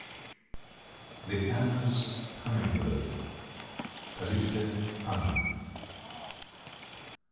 THE ANNA'S HUMMINGBIRD. (_Calypte anna.